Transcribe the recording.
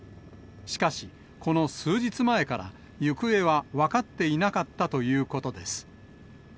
しかし、この数日前から、行方は分かっていなかったということです。